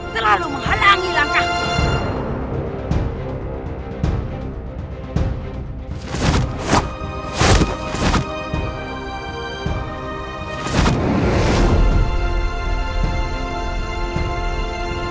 terlalu menghalangi langkahmu